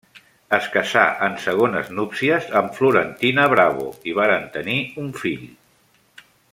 Es casà en segones núpcies amb Florentina Bravo i varen tenir un fill.